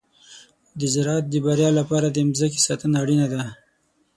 د زراعت د بریا لپاره د مځکې ساتنه اړینه ده.